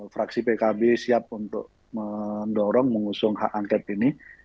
fraksi pkb siap untuk mendorong mengusung hak angket ini